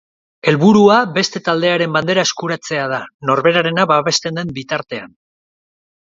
Helburua beste taldearen bandera eskuratzea da, norberarena babesten den bitartean.